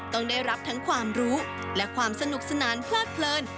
ต้องได้รับทั้งความรู้และความสนุกสนานเพลิดเพลิน